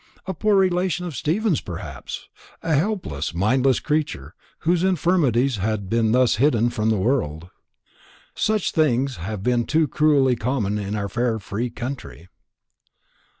A poor relation of Stephen's perhaps a helpless, mindless creature, whose infirmities had been thus hidden from the world. Such things have been too cruelly common in our fair free country.